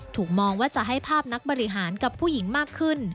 ถูกมองว่าจะให้ภาพนักบริหารกับผู้หญิงมากขึ้น